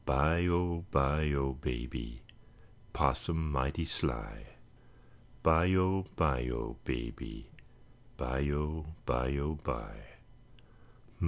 Bye o, bye o, baby, 'Possum mighty sly, Bye o, bye o, baby, Bye o, bye o bye.